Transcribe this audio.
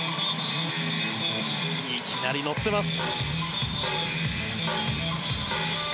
いきなり乗ってます。